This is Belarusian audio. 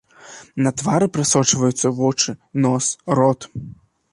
На твары прасочваюцца вочы, нос, рот.